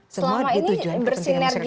semua ditujuan kepentingan masyarakat